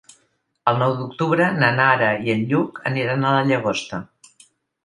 El nou d'octubre na Nara i en Lluc aniran a la Llagosta.